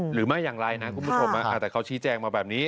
หรือไม่อย่างไรนะคุณผู้ชมแต่เขาชี้แจงมาแบบนี้